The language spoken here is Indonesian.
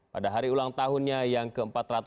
pada hari ulang tahunnya yang ke empat ratus empat puluh